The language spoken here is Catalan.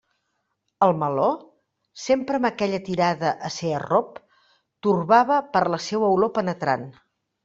El meló, sempre amb aquella tirada a ser arrop, torbava per la seua olor penetrant.